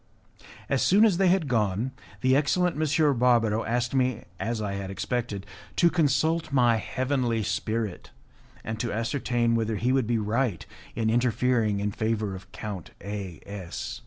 As soon as they had gone, the excellent M. Barbaro asked me, as I had expected, to consult my heavenly spirit, and to ascertain whether he would be right in interfering in favour of Count A S